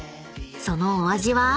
そのお味は？］